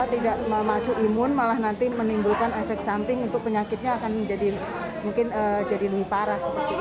tidak memacu imun malah nanti menimbulkan efek samping untuk penyakitnya akan menjadi lebih parah